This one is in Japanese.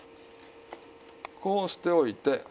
こうしておいて。